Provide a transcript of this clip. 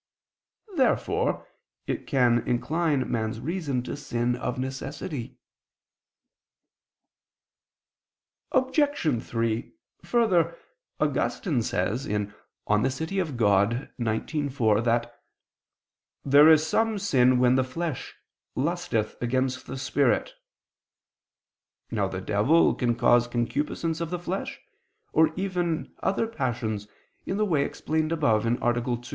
Therefore it can incline man's reason to sin of necessity. Obj. 3: Further, Augustine says (De Civ. Dei xix, 4) that "there is some sin when the flesh lusteth against the spirit." Now the devil can cause concupiscence of the flesh, even as other passions, in the way explained above (A. 2).